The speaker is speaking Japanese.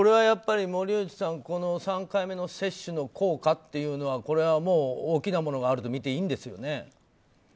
森内さん、この３回目の接種の効果というのはもう大きなものがあると見ていいんですよね。